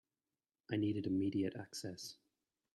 I needed immediate access.